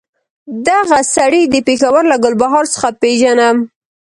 دغه سړی د پېښور له ګلبهار څخه پېژنم.